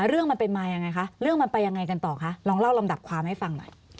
เรื่องมันเป็นมายังไงคะเรื่องมันไปยังไงกันต่อคะลองเล่าลำดับความให้ฟังหน่อย